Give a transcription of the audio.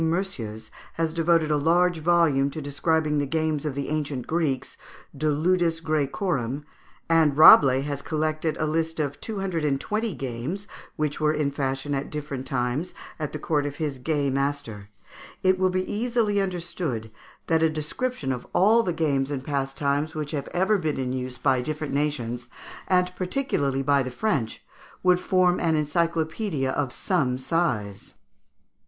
Meursius, has devoted a large volume to describing the games of the ancient Greeks ("De Ludis Graecorum"), and Rabelais has collected a list of two hundred and twenty games which were in fashion at different times at the court of his gay master, it will be easily understood that a description of all the games and pastimes which have ever been in use by different nations, and particularly by the French, would form an encyclopaedia of some size.